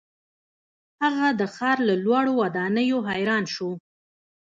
هغه د ښار له لوړو ودانیو حیران شو.